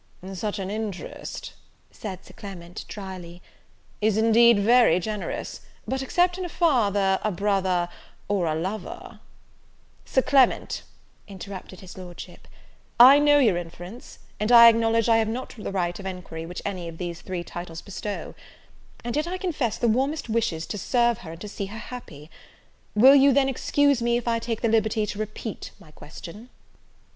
"Such an interest," said Sir Clement, drily, "is indeed very generous; but, except in a father, a brother, or a lover " "Sir Clement," interrupted his Lordship, "I know your inference; and I acknowledge I have not the right of enquiry which any of those three titles bestow; and yet I confess the warmest wishes to serve her and to see her happy. Will you, then, excuse me, if I take the liberty to repeat my question?"